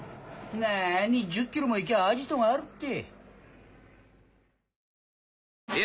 なに１０ｋｍも行きゃアジトがあるって。